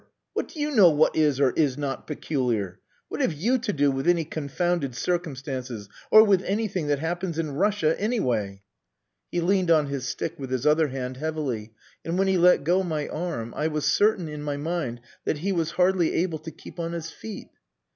What do you know what is or is not peculiar? What have you to do with any confounded circumstances, or with anything that happens in Russia, anyway?" He leaned on his stick with his other hand, heavily; and when he let go my arm, I was certain in my mind that he was hardly able to keep on his feet.